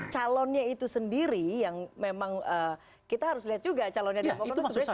calonnya itu sendiri yang memang kita harus lihat juga calonnya dianggap sebagai siapa